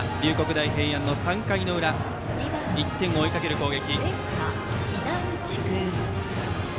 大平安の３回の裏１点を追いかける攻撃。